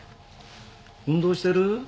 運動してる？